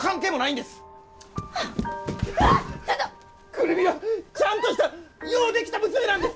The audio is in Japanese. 久留美はちゃんとしたようできた娘なんです！